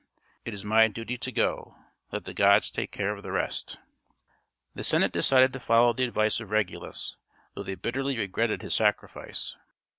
It is my duty to go; let the gods take care of the rest." The Senate decided to follow the advice of Regulus, though they bitterly regretted his sacrifice.